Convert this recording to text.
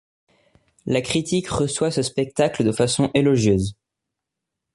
La critique reçoit ce spectacle de façon élogieuse.